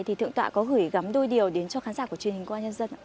thì thượng tọa có gửi gắm đôi điều đến cho khán giả của truyền hình công an nhân dân ạ